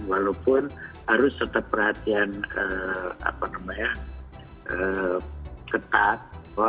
walaupun harus tetap perhatian ketat